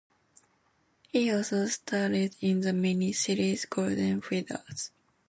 He also starred in the mini series "Golden Fiddles".